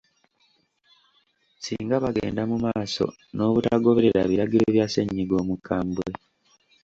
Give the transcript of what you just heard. Singa bagenda mu maaso n’obutagondera biragiro bya ssennyiga omukambwe.